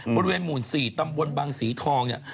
บริเวณหมู่๔ตำบลบังสีทองเนี่ย